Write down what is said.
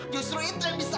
justru itu yang bisa